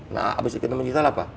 nah habis ekonomi digital apa